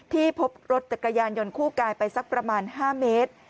พบรถจักรยานยนต์คู่กายไปสักประมาณ๕เมตร